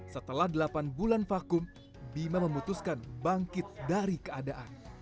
setelah delapan bulan vakum bima memutuskan bangkit dari keadaan